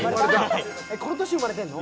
この年に生まれてんの？